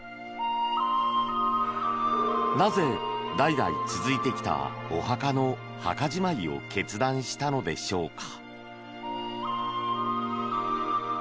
なぜ、代々続いてきたお墓の墓じまいを決断したのでしょうか？